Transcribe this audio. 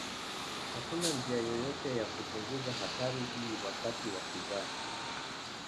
Hakuna njia yoyote ya kupunguza hatari hii wakati wa kuzaa.